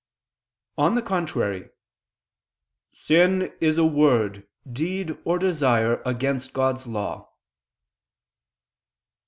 On the contrary, "Sin is a word, deed, or desire against God's law."